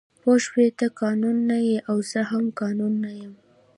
پوه شوې ته قانون نه یې او زه هم قانون نه یم